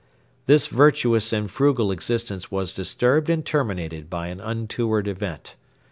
This virtuous and frugal existence was disturbed and terminated by an untoward event.